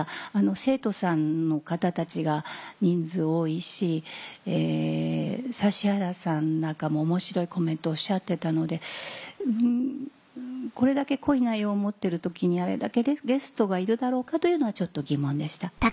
生徒さんの方たちが人数多いし指原さんなんかも面白いコメントおっしゃってたのでこれだけ濃い内容を持ってる時にあれだけゲストが要るだろうかというのはちょっと疑問でした。